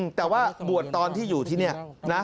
แต่ว่าบวชตอนที่อยู่ที่นี่นะ